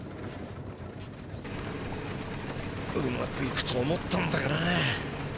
うまくいくと思ったんだがな。